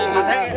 aduh ada daftar